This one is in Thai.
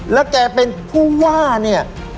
แล้วแกเป็นผู้ว่าเนี่ย